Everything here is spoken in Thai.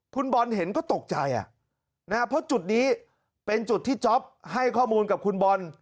คุณบอลเห็นก็ตกใจเพราะจุดนี้เป็นจุดที่จ๊อปให้ข้อมูลกับคุณบอล